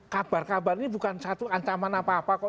kabar kabar ini bukan satu ancaman apa apa kok